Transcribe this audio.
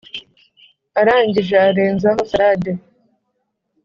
arangije arenzaho salade.